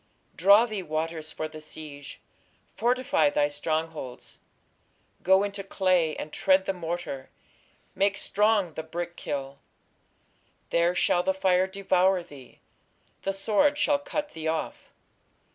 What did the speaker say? Draw thee waters for the siege, fortify thy strong holds: go into clay, and tread the morter, make strong the brick kiln. There shall the fire devour thee; the sword shall cut thee off....